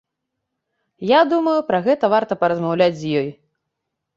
Я думаю, пра гэта варта паразмаўляць з ёй.